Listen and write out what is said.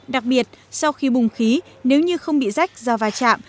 đặc biệt sau khi bùng khí nếu như không bị rách do va chạm